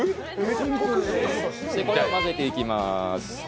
じゃあ、混ぜていきます。